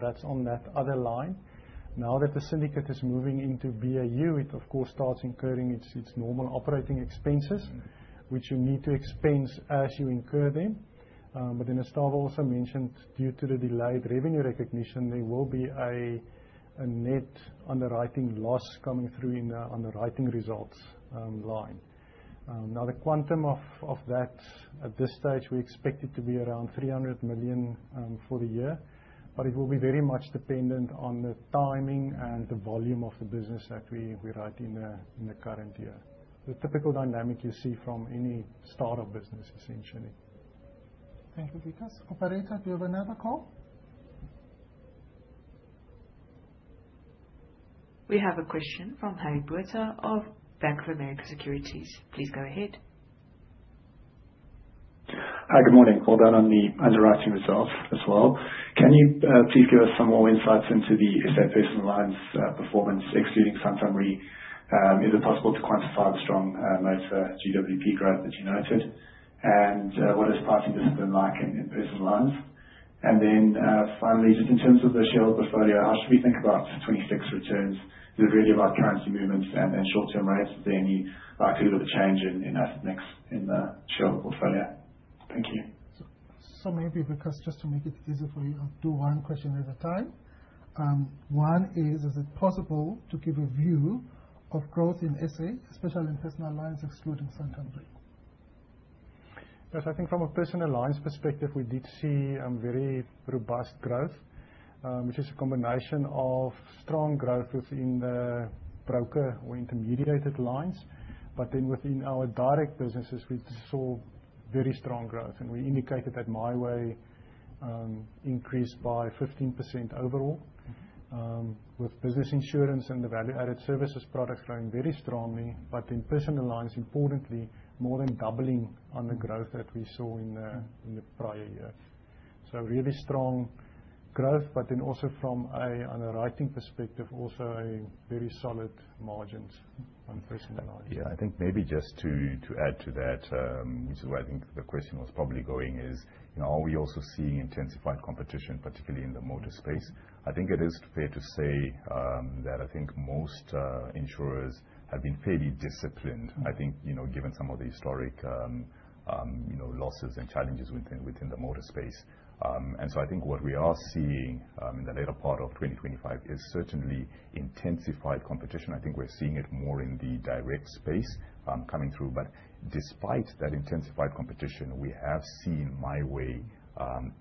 That's on that other line. Now that the syndicate is moving into BAU, it of course starts incurring its normal operating expenses, which you need to expense as you incur them. As Tava also mentioned, due to the delayed revenue recognition, there will be a net underwriting loss coming through in the underwriting results line. The quantum of that at this stage, we expect it to be around 300 million for the year, but it will be very much dependent on the timing and the volume of the business that we write in the current year. The typical dynamic you see from any start-up business, essentially. Thank you, Wikus. Operator, do you have another call? We have a question from Harry Botha of Bank of America Securities. Please go ahead. Hi, good morning. Well done on the underwriting results as well. Can you please give us some more insights into the SA Personal Lines performance excluding Santam Re? Is it possible to quantify the strong motor GWP growth that you noted? What is pricing discipline like in Personal Lines? Finally, just in terms of the shareholder portfolio, how should we think about 2026 returns with regard to large currency movements and short-term rates? Is there any likelihood of a change in asset mix in the shareholder portfolio? Thank you. Maybe, Ricus, just to make it easy for you, I'll do one question at a time. One is it possible to give a view of growth in SA, especially in Personal Lines excluding Santam Re? Yes. I think from a Personal Lines perspective, we did see, very robust growth, which is a combination of strong growth within the broker or intermediated lines. Within our direct businesses, we saw very strong growth. We indicated that MiWay increased by 15% overall, with business insurance and the value-added services products growing very strongly. In Personal Lines, importantly, more than doubling on the growth that we saw in the, in the prior year. Really strong growth. Also from a underwriting perspective, also a very solid margins on Personal Lines. Yeah. I think maybe just to add to that, which is where I think the question was probably going is, you know, are we also seeing intensified competition, particularly in the motor space? I think it is fair to say that I think most insurers have been fairly disciplined, I think, you know, given some of the historic losses and challenges within the motor space. I think what we are seeing in the later part of 2025 is certainly intensified competition. I think we're seeing it more in the direct space, coming through. Despite that intensified competition, we have seen MiWay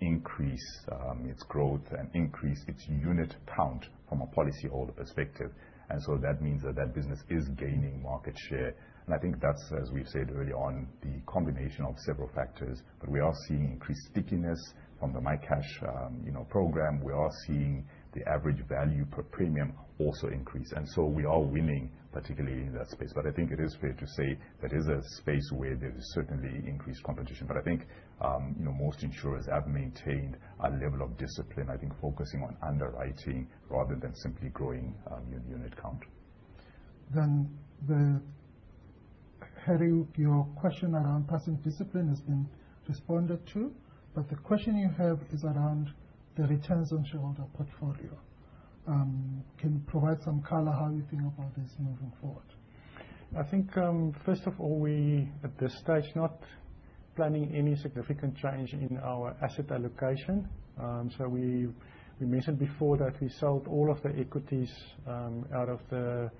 increase its growth and increase its unit count from a policyholder perspective. That means that business is gaining market share. I think that's, as we've said early on, the combination of several factors. We are seeing increased stickiness. From the MiCashback, you know, program, we are seeing the average value per premium also increase. We are winning, particularly in that space. I think it is fair to say, that is a space where there is certainly increased competition. I think, you know, most insurers have maintained a level of discipline, I think focusing on underwriting rather than simply growing, unit count. The, Harry Botha, your question around pricing discipline has been responded to, but the question you have is around the returns on shareholder portfolio. Can you provide some color how you feel about this moving forward? I think, first of all, we at this stage not planning any significant change in our asset allocation. We mentioned before that we sold all of the equities out of the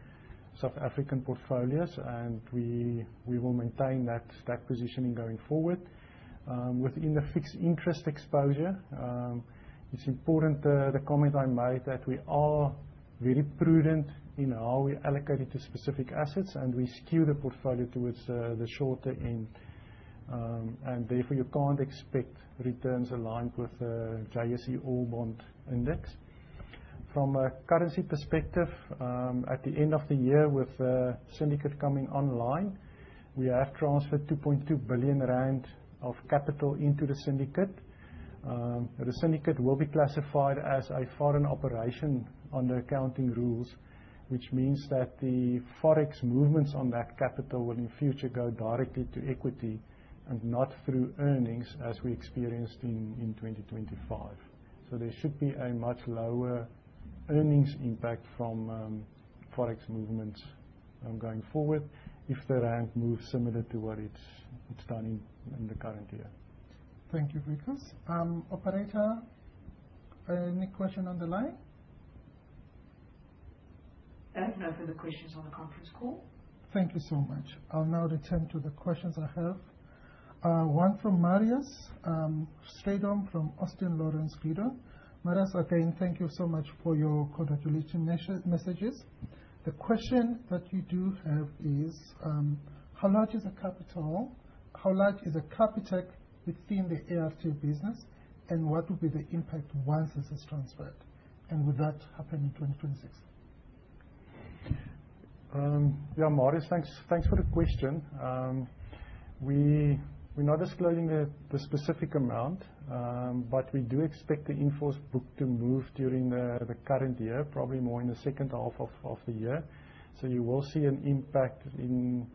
South African portfolios, and we will maintain that positioning going forward. Within the fixed interest exposure, it's important, the comment I made that we are very prudent in how we allocate it to specific assets, and we skew the portfolio towards the shorter end. Therefore, you can't expect returns aligned with the JSE All Bond Index. From a currency perspective, at the end of the year with Syndicate coming online, we have transferred 2.2 billion rand of capital into the Syndicate. The Syndicate will be classified as a foreign operation under accounting rules, which means that the forex movements on that capital will in future go directly to equity and not through earnings as we experienced in 2025. There should be a much lower earnings impact from forex movements going forward, if the rand moves similar to what it's done in the current year. Thank you, Wikus. Operator, any question on the line? No further questions on the conference call. Thank you so much. I'll now return to the questions I have. One from Marius Strydom from Austin Lawrence Gidon. Marius, again, thank you so much for your congratulation messages. The question that you do have is, how large is the capital? How large is the Capitec within the ART business, and what will be the impact once this is transferred, and would that happen in 2026? Yeah, Marius, thanks for the question. We're not disclosing the specific amount, but we do expect the in-force book to move during the current year, probably more in the second half of the year. You will see an impact in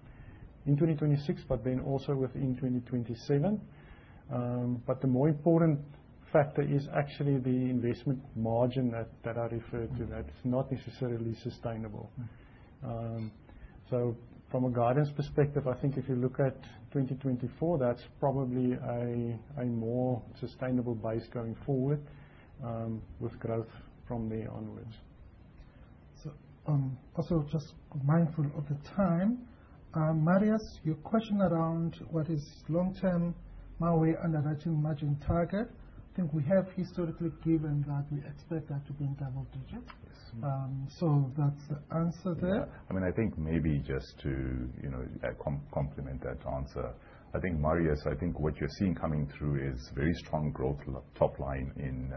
2026, but then also within 2027. The more important factor is actually the investment margin that I referred to that is not necessarily sustainable. From a guidance perspective, I think if you look at 2024, that's probably a more sustainable base going forward, with growth from there onwards. Also just mindful of the time, Marius, your question around what is long-term MiWay underwriting margin target. I think we have historically given that we expect that to be in double digits. Yes. That's the answer there. Yeah, I mean, I think maybe just to, you know, complement that answer. I think, Marius, I think what you're seeing coming through is very strong growth top line in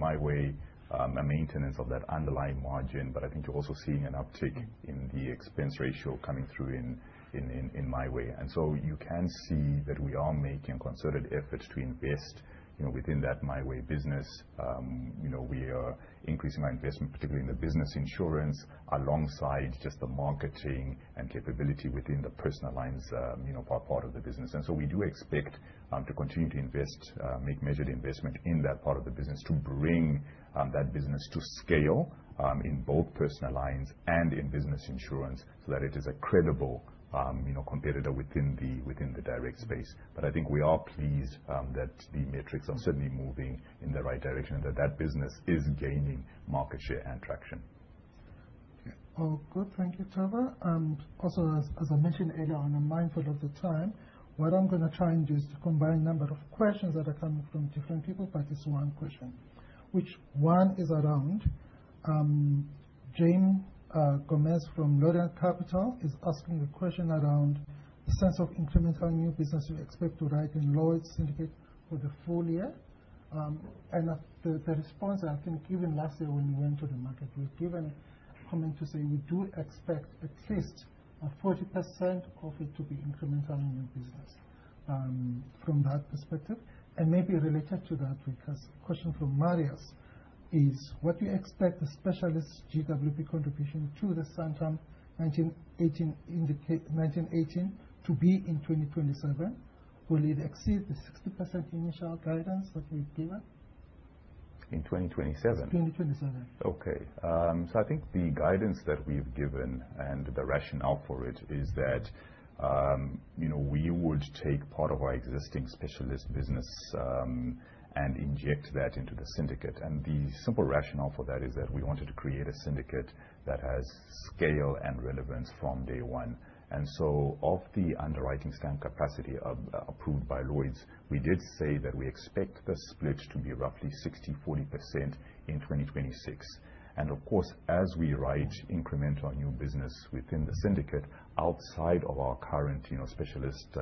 MiWay, a maintenance of that underlying margin, but I think you're also seeing an uptick in the expense ratio coming through in MiWay. You can see that we are making concerted efforts to invest, you know, within that MiWay business. We are increasing our investment, particularly in the business insurance, alongside just the marketing and capability within the personal lines, you know, part of the business. We do expect to continue to invest, make measured investment in that part of the business to bring that business to scale, in both personal lines and in business insurance, so that it is a credible, you know, competitor within the, within the direct space. I think we are pleased that the metrics are certainly moving in the right direction and that that business is gaining market share and traction. Oh, good. Thank you, Tava. Also, as I mentioned earlier on, I'm mindful of the time. What I'm gonna try and do is to combine a number of questions that are coming from different people, but it's one question. Which one is around Jane Gomez from Lombard Capital is asking a question around the sense of incremental new business we expect to write in Lloyd's Syndicate for the full year. The, the response, I think, even last year when we went to the market, we've given a comment to say we do expect at least 40% of it to be incremental new business, from that perspective. Maybe related to that, because question from Marius is what do you expect the specialist GWP contribution to the Santam 1918 indicate, 1918 to be in 2027? Will it exceed the 60% initial guidance that we've given? In 2027? In 2027. I think the guidance that we've given and the rationale for it is that, you know, we would take part of our existing specialist business and inject that into the syndicate. The simple rationale for that is that we wanted to create a syndicate that has scale and relevance from day one. Of the underwriting stamp capacity approved by Lloyd's, we did say that we expect the split to be roughly 60%/40% in 2026. Of course, as we write incremental new business within the syndicate outside of our current, you know, specialist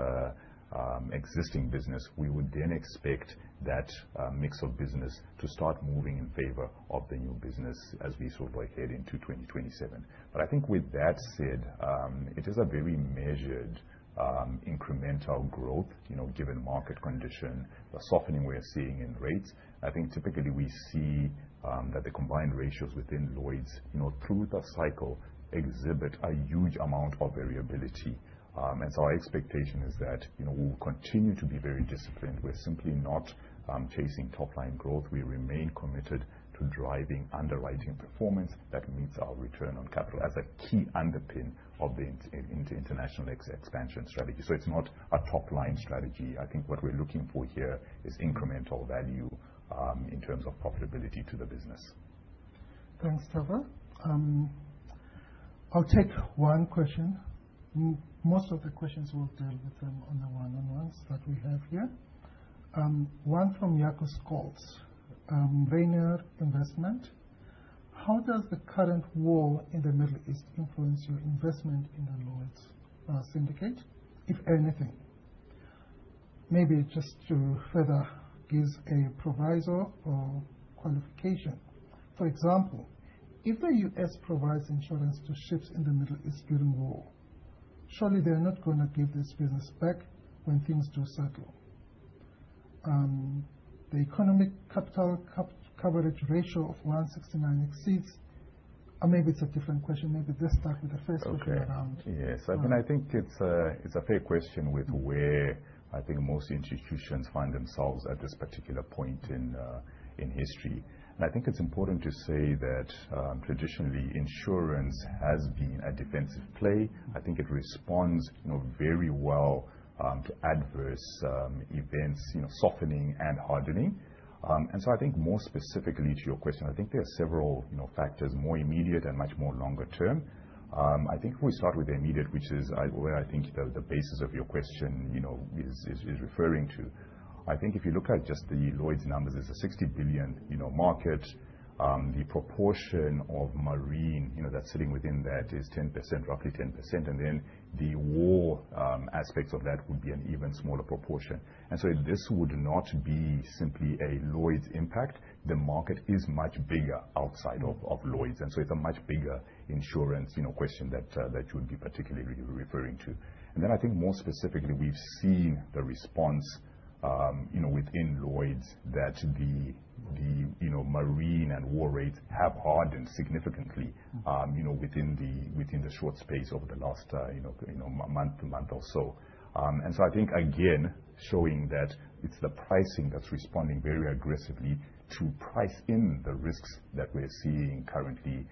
existing business, we would then expect that mix of business to start moving in favor of the new business as we sort of like head into 2027. I think with that said, it is a very measured, incremental growth, you know, given market condition, the softening we're seeing in rates. I think typically we see that the combined ratios within Lloyd's, you know, through the cycle exhibit a huge amount of variability. Our expectation is that, you know, we'll continue to be very disciplined. We're simply not chasing top line growth. We remain committed to driving underwriting performance that meets our return on capital as a key underpin of the international expansion strategy. It's not a top line strategy. I think what we're looking for here is incremental value in terms of profitability to the business. Thanks, Tava. I'll take one question. Most of the questions we'll deal with them on the one-on-ones that we have here. One from Jacob Scholtz, [Eurex]. How does the current war in the Middle East influence your investment in the Lloyd's syndicate, if anything? Maybe just to further give a proviso or qualification. For example, if the U.S. provides insurance to ships in the Middle East during war, surely they're not gonna give this business back when things do settle. The economic capital coverage ratio of 169 exceeds... Maybe it's a different question. Maybe let's start with the first question around- Okay. Yeah. I mean, I think it's a, it's a fair question with where I think most institutions find themselves at this particular point in history. I think it's important to say that, traditionally, insurance has been a defensive play. I think it responds, you know, very well, to adverse events, you know, softening and hardening. I think more specifically to your question, I think there are several, you know, factors, more immediate and much more longer term. I think if we start with the immediate, which is where I think the basis of your question, you know, is, is referring to. I think if you look at just the Lloyd's numbers, it's a 60 billion, you know, market. The proportion of marine, you know, that's sitting within that is 10%, roughly 10%, and then the war aspects of that would be an even smaller proportion. This would not be simply a Lloyd's impact. The market is much bigger outside of Lloyd's, and so it's a much bigger insurance, you know, question that you would be particularly referring to. I think more specifically, we've seen the response, you know, within Lloyd's that the marine and war rates have hardened significantly, you know, within the short space over the last month or so. I think again, showing that it's the pricing that's responding very aggressively to price in the risks that we're seeing currently,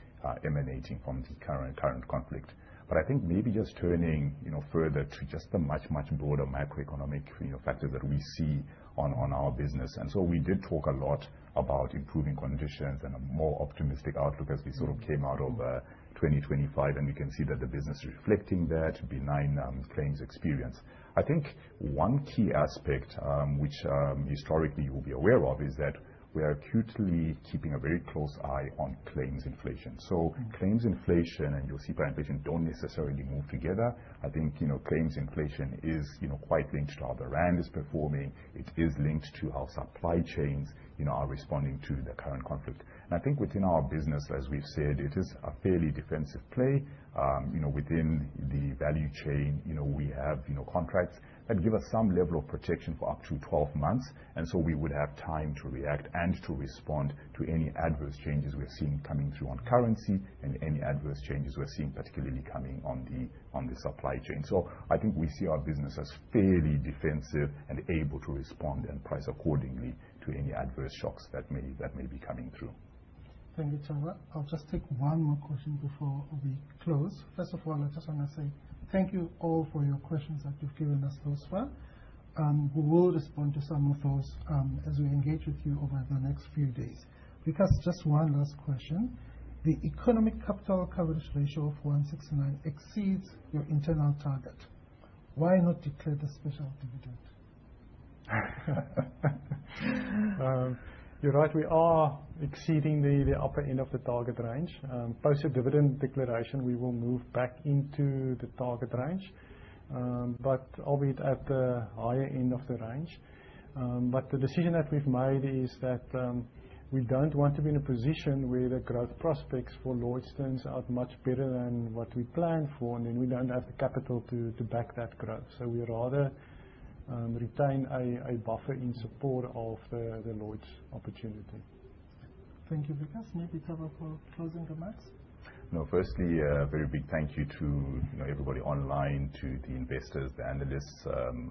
emanating from the current conflict. I think maybe just turning, you know, further to just the much, much broader macroeconomic, you know, factor that we see on our business. We did talk a lot about improving conditions and a more optimistic outlook as we sort of came out of 2025, and you can see that the business reflecting that benign claims experience. I think one key aspect, which historically you'll be aware of, is that we are acutely keeping a very close eye on claims inflation. Claims inflation, and you'll see provision don't necessarily move together. I think, you know, claims inflation is, you know, quite linked to how the rand is performing. It is linked to how supply chains, you know, are responding to the current conflict. I think within our business, as we've said, it is a fairly defensive play, you know, within the value chain, you know, we have, you know, contracts that give us some level of protection for up to 12 months, and so we would have time to react and to respond to any adverse changes we're seeing coming through on currency and any adverse changes we're seeing particularly coming on the, on the supply chain. I think we see our business as fairly defensive and able to respond and price accordingly to any adverse shocks that may, that may be coming through. Thank you, Tava. I'll just take one more question before we close. First of all, I just want to say thank you all for your questions that you've given us thus far. We will respond to some of those, as we engage with you over the next few days. Just one last question, the economic capital coverage ratio of 169 exceeds your internal target. Why not declare the special dividend? You're right, we are exceeding the upper end of the target range. Post the dividend declaration, we will move back into the target range, but albeit at the higher end of the range. The decision that we've made is that we don't want to be in a position where the growth prospects for Lloyd's terms are much better than what we planned for, and then we don't have the capital to back that growth. We'd rather retain a buffer in support of the Lloyd's opportunity. Thank you, Wikus. Maybe Tava for closing remarks. No. Firstly, a very big thank you to, you know, everybody online, to the investors, the analysts,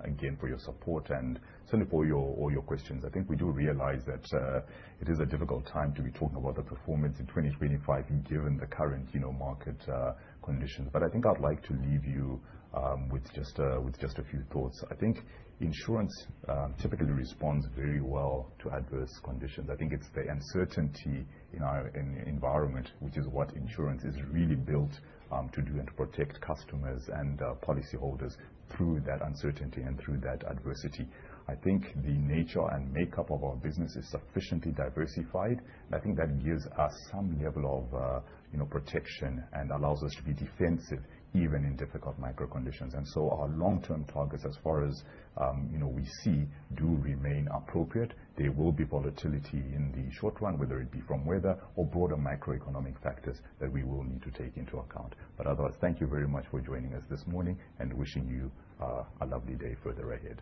again, for your support, and certainly for your, all your questions. I think we do realize that it is a difficult time to be talking about the performance in 2025 given the current, you know, market conditions. I think I'd like to leave you with just a few thoughts. I think insurance typically responds very well to adverse conditions. I think it's the uncertainty in our, in the environment, which is what insurance is really built to do and to protect customers and policyholders through that uncertainty and through that adversity. I think the nature and makeup of our business is sufficiently diversified. I think that gives us some level of, you know, protection and allows us to be defensive even in difficult micro conditions. Our long-term targets as far as, you know, we see do remain appropriate. There will be volatility in the short run, whether it be from weather or broader macroeconomic factors that we will need to take into account. Otherwise, thank you very much for joining us this morning and wishing you a lovely day further ahead.